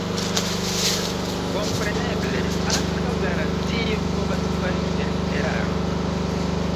Kompreneble, ankaŭ la racio povas fali en eraron.